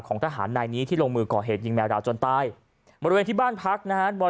ทหารนายนี้ที่ลงมือก่อเหตุยิงแมวดาวจนตายบริเวณที่บ้านพักนะฮะ